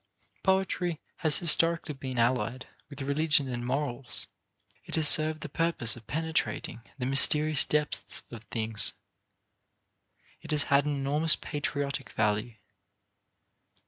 Poetry has historically been allied with religion and morals; it has served the purpose of penetrating the mysterious depths of things. It has had an enormous patriotic value.